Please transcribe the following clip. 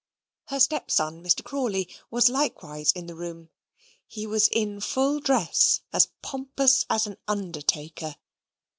Her stepson Mr. Crawley, was likewise in the room. He was in full dress, as pompous as an undertaker.